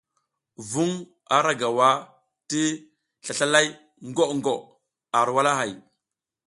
Vuŋ ara gawa ti slaslalay gwo gwo ar walahay.